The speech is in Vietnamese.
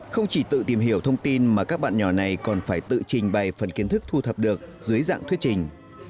không chỉ tự tìm hiểu thông tin mà các bạn nhỏ này còn phải tự trình bày phần kiến thức thu thập được dưới dạng thuyết trình